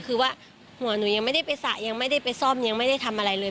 คือว่าหัวหนูยังไม่ได้ไปสระยังไม่ได้ไปซ่อมยังไม่ได้ทำอะไรเลย